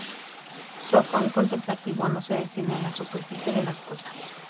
Su afán contemplativo no se detiene en la superficie de las cosas.